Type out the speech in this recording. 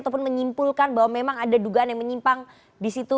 ataupun menyimpulkan bahwa memang ada dugaan yang menyimpang di situ